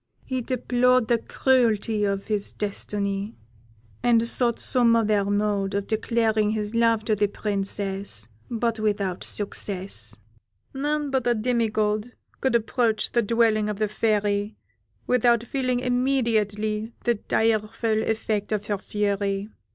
He deplored the cruelty of his destiny, and sought some other mode of declaring his love to the Princess, but without success. "None but a demi god could approach the dwelling of the Fairy without feeling immediately the direful effect of her fury.